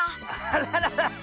あららら！